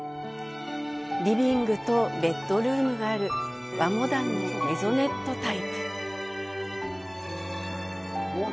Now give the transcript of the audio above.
リビングとベッドルームがある和モダンのメゾネットタイプ。